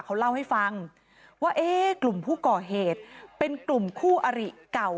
เขาเล่าให้ฟังว่าเอ๊ะกลุ่มผู้ก่อเหตุเป็นกลุ่มคู่อริเก่า